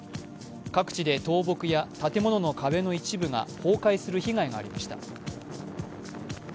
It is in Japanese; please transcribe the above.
各地で倒木や建物の壁の一部が崩壊する被害がありました。